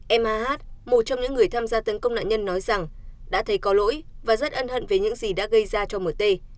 em hát một trong những người tham gia tấn công nạn nhân nói rằng đã thấy có lỗi và rất ân hận về những gì đã gây ra cho mt